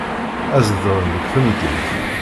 Ad zedɣen deg temdint.